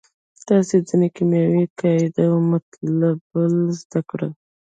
تاسې ځینې کیمیاوي قاعدې او مطلبونه زده کړل.